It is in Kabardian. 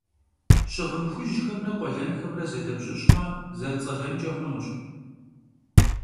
Щыгъын хужьхэмрэ къуэлэнхэмрэ зэдэбжьыщӏмэ, зэрыцӏэлэнкӏэ хъунущ.